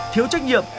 thiếu trách nhiệm